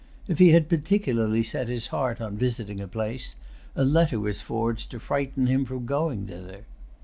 If he had particularly set his heart on visiting a place, a letter was forged to frighten him from going thither.